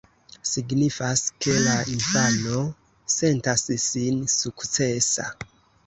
Signifas, ke la infano sentas sin sukcesa.